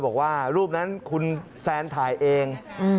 บอกว่ารูปนั้นคุณแซนถ่ายเอง